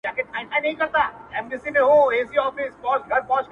چي اَیینه وي د صوفي او میخوار مخ ته,